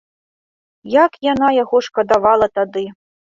Як яна яго шкадавала тады!